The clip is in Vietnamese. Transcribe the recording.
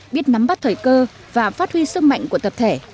biết nắm bắt thời cơ và phát huy sức mạnh của tập thể